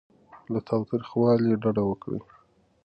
له تاوتریخوالي ډډه وکړئ.